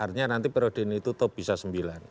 artinya nanti perodin itu top bisa sembilan